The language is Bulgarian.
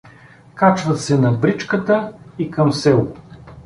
Качват се на бричката — и към село.